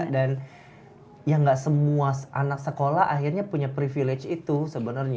dan ya gak semua anak sekolah akhirnya punya privilege itu sebenernya